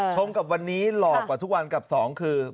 กับวันนี้หลอกกว่าทุกวันกับสองคือ